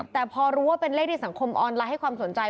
แต่พอรู้ว่าเป็นเลขที่สังคมออนไลน์ให้ความสนใจ